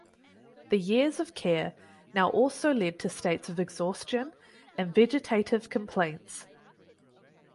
The years of care now also led to states of exhaustion and vegetative complaints.